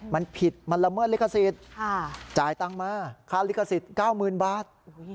มันผิดมันละเมิดลิขสิทธิ์จ่ายตังค์มาค่าลิขสิทธิ์๙๐๐๐บาท